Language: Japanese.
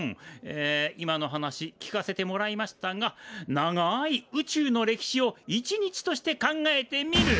え今の話聞かせてもらいましたが長い宇宙の歴史を１日として考えてみる。